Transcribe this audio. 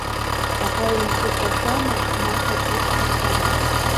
Аӷа импыҵашәама, ма аӡы ихнаҵама?